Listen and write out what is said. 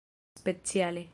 speciale